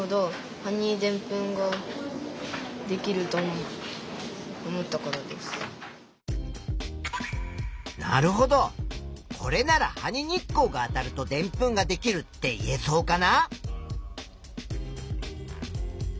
理由はなるほどこれなら「葉に日光があたるとでんぷんができる」って言えそうかな？